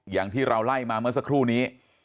อย่างที่เราไล่มาเมื่อสักครู่นี้